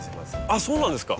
ああそうなんですか。